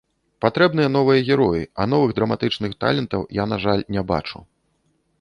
Патрэбныя новыя героі, а новых драматычных талентаў я, на жаль, не бачу.